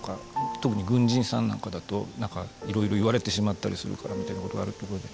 特に軍人さんなんかだといろいろ言われてしまったりするからみたいなことがあるところで。